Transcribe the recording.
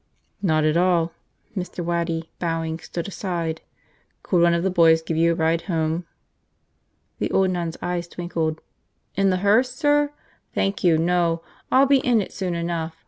"Not at all." Mr. Waddy, bowing, stood aside. "Could one of the boys give you a ride home?" The old nun's eyes twinkled. "In the hearse, sir? Thank you, no, I'll be in it soon enough.